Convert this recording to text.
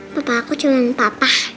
bapak aku cuman bapak